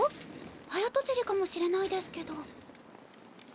早とちりかもしれないですけど。